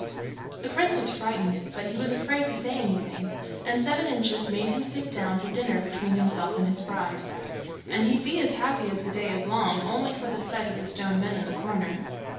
The prince was frightened, but he was afraid to say anything, and Seven Inches made him sit down to dinner between himself and his bride; and he'd be as happy as the day is long, only for the sight of the stone men in the corner.